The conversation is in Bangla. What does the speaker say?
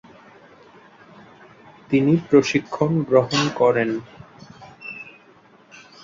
তিনি প্রশিক্ষণ গ্রহণ করেন।